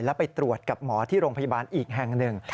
แล้วไปตรวจกับหมอที่โรงพยาบาลอีกแห่งหนึ่ง